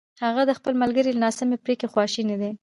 هغه د خپل ملګري له ناسمې پرېکړې خواشینی دی!